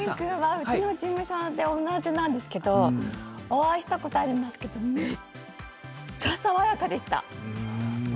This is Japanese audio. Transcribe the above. うちの事務所で同じなんですけどお会いしたことがあるんですけどめっちゃ爽やかでした。